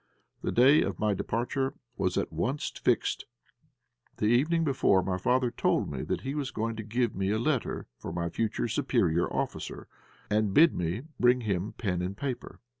The day of my departure was at once fixed. The evening before my father told me that he was going to give me a letter for my future superior officer, and bid me bring him pen and paper.